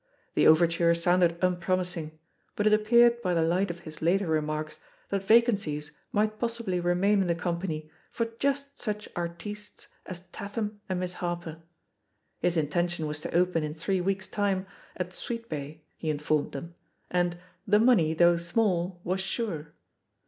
The overture sounded unpromising, but it appeared by the light of his later remarks that vacancies might possibly remain in the company for just such "artistes" as Tatham and Miss Harper. His in tention was to open in three weeks' time at Sweet bay, he informed them, and "the money, though small, was sure."